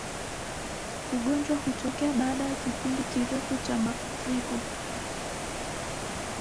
Ugonjwa hutokea baada ya kipindi kirefu cha maafuriko